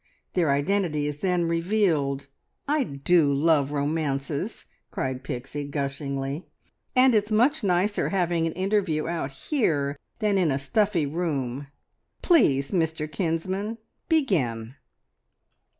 Their identity is then revealed. ... I do love romances!" cried Pixie gushingly. "And it's much nicer having an interview out here than in a stuffy room ... Please, Mr Kinsman begin!"